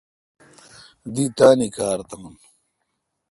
دی تانی کار تھان۔